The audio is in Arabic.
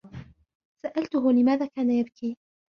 سَأَلَتهُ لماذا كان يبكي.